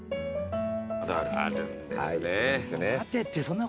あるんですね。